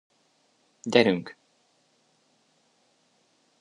Gyerünk!